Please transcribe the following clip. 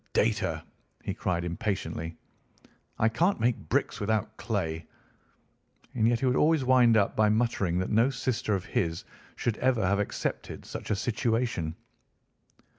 data!" he cried impatiently. "I can't make bricks without clay." And yet he would always wind up by muttering that no sister of his should ever have accepted such a situation.